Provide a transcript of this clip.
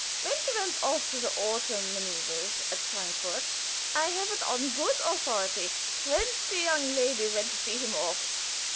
When he went off to the autumn maneuvers at Frankfort (I have it on good authority), twenty young ladies went to see him off."